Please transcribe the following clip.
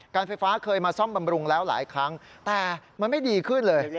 การไฟฟ้าเคยมาซ่อมบำรุงแล้วหลายครั้งแต่มันไม่ดีขึ้นเลย